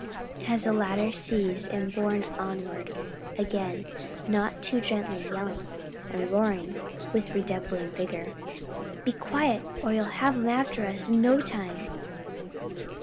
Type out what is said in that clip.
as the latter, seized, and borne onward again, not too gently, yelled and roared with redoubled vigor: "Be quiet or you'll have 'em after us in no time."